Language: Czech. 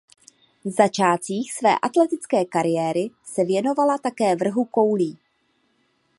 V začátcích své atletické kariéry se věnovala také vrhu koulí.